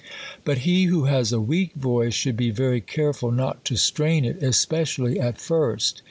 But he, who has a weak voice, should be very care ful not to strain it, especially at first.